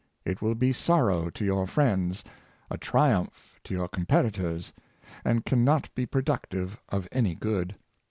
It will be sorrow to your friends, a triumph to your competitors, and can not be productive of any good.